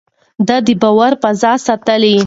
ده د باور فضا ساتله.